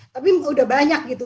tapi udah banyak gitu